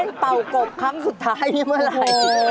เป็นเป่ากบครั้งสุดท้ายเมื่อไหร่